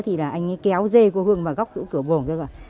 thì là anh ấy kéo dê cô hương vào góc chỗ cửa bồn thôi rồi